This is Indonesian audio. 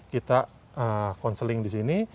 kita counseling disini